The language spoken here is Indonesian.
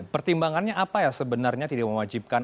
pertimbangannya apa yang sebenarnya tidak mewajibkan